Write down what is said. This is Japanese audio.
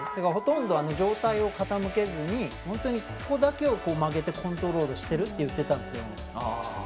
ほとんど、上体を傾けずに本当に、ここだけを曲げてコントロールしているって言っていたんですよ。